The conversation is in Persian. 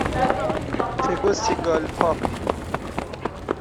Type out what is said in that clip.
تگوسیگالپا